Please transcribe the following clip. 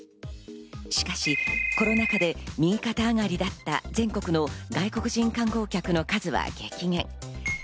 しかし、コロナ禍で右肩上がりだった全国の外国人観光客の数は激減。